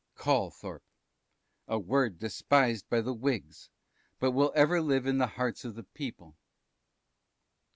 Callthorpe. A word despised by the Whigs, but will ever live in the hearts of the People.